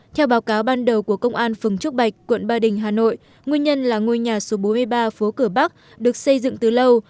theo báo cáo ban đầu của công an phường trúc bạch quận ba đình hà nội nguyên nhân là ngôi nhà số bốn mươi ba phố cửa bắc được xây dựng từ lâu